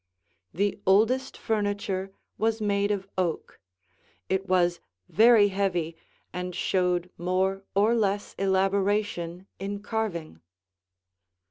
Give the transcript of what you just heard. The oldest furniture was made of oak; it was very heavy and showed more or less elaboration in carving.